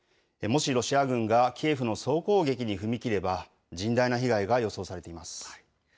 もしロシア軍がキエフの総攻撃に踏み切れば、甚大な被害が予想されています。